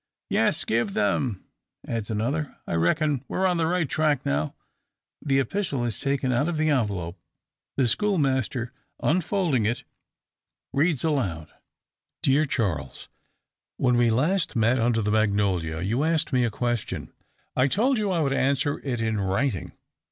"Yes, give them!" adds another. "I reckon we're on the right track now." The epistle is taken out of the envelope. The schoolmaster, unfolding it, reads aloud: "Dear Charles, "When we last met under the magnolia, you asked me a question. I told you I would answer it in writing.